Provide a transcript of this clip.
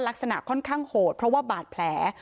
ลักษณะค่อนข้างโหดเพราะว่าบาดแผล